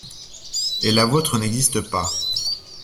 Et la vôtre n’existe pas.